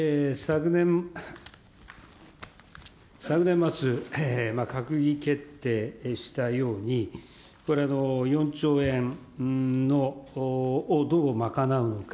昨年末、閣議決定したように、これ、４兆円をどう賄うのか。